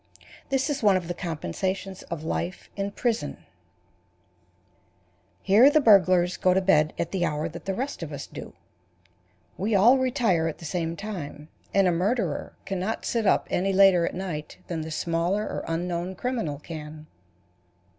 This is one of the compensations of life in prison. Here the burglars go to bed at the hour that the rest of us do. We all retire at the same time, and a murderer can not sit up any later at night than the smaller or unknown criminal can.